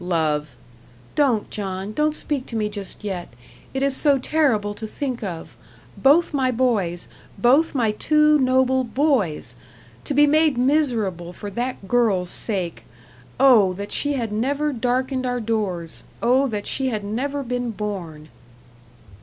"Love " "Don't, John! don't speak to me just yet. It is so terrible to think of. Both my boys both my two noble boys! to be made miserable for that girl's sake. Oh! that she had never darkened our doors. Oh! that she had never been born."